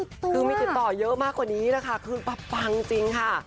คือมีติดต่อเยอะมากกว่านี้แหละค่ะคือปังจริงค่ะ